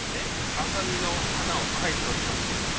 アザミの花を描いておりますけどね。